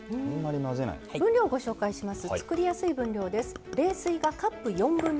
分量ご紹介します。